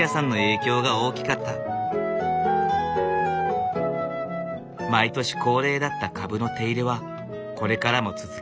毎年恒例だった株の手入れはこれからも続けていく。